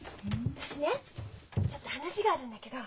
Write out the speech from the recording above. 私ねちょっと話があるんだけど。